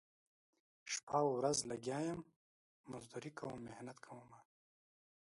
شپه ورځ لګیا یم مزدوري کوم محنت کومه